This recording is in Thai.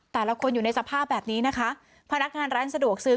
แต่ละคนอยู่ในสภาพแบบนี้นะคะพนักงานร้านสะดวกซื้อ